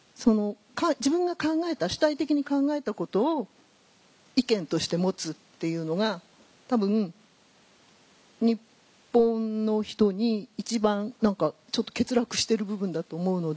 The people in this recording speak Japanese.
自分が考えた主体的に考えたことを意見として持つっていうのが多分日本の人に一番ちょっと欠落してる部分だと思うので。